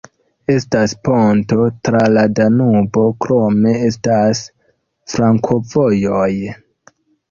Estas ponto tra la Danubo, krome estas flankovojoj.